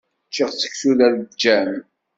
Ččiɣ seksu d aleǧǧam.